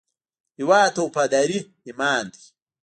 هیواد ته وفاداري ایمان دی